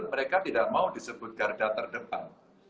mereka tidak mau disebut garda terdepan